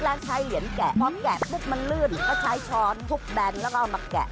รักใช้เหยียนแกะพอแกะมุกมันลื่นก็ใช้ช้อนทุกแบรนด์แล้วก็เอามาแกะ